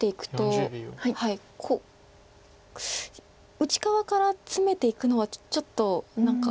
内側からツメていくのはちょっと何か。